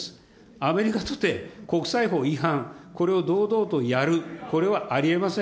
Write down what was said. アメリカとて、国際法違反、これを堂々とやる、これはありえません。